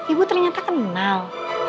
ibu ternyata kenal